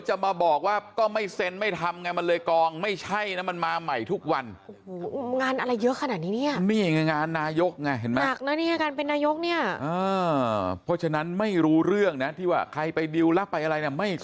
ห้าสิบหกสิบแฟม